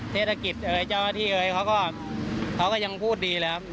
เทศกิจเจ้าที่เขาก็ยังพูดดีเลยครับ